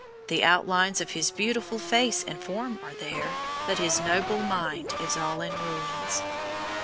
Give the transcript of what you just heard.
The outlines of his beautiful face and form are there, but his noble mind is all in ruins."